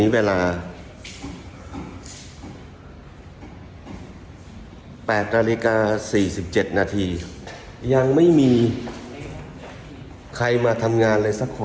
เวลา๘นาฬิกา๔๗นาทียังไม่มีใครมาทำงานเลยสักคน